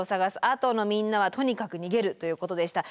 あとのみんなは「とにかく逃げる」ということでした。